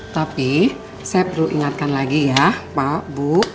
tapi saya perlu ingatkan lagi ya pak bu